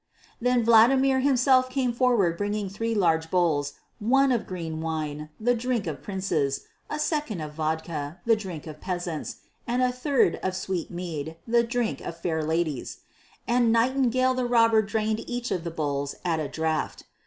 Then Vladimir himself came forward bringing three large bowls, one of green wine, the drink of princes, a second of vodka, the drink of peasants, and a third of sweet mead, the drink of fair ladies; and Nightingale the Robber drained each of the bowls at a draught.